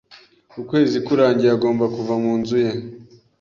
Ukwezi kurangiye agomba kuva mu nzu ye.